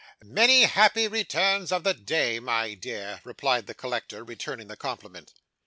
'Many happy returns of the day, my dear,' replied the collector, returning the compliment.